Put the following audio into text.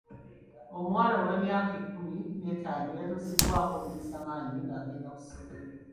Omuwala ow'emyaka ekkumi n'etaano yatuusibwako ogw'obuliisamaanyi ng'agenda ku ssomero.